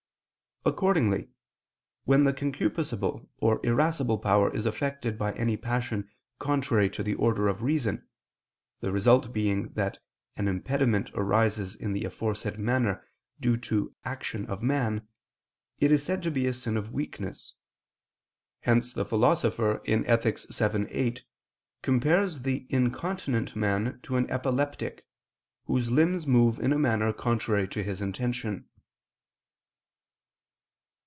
Accordingly, when the concupiscible or irascible power is affected by any passion contrary to the order of reason, the result being that an impediment arises in the aforesaid manner to the due action of man, it is said to be a sin of weakness. Hence the Philosopher (Ethic. vii, 8) compares the incontinent man to an epileptic, whose limbs move in a manner contrary to his intention.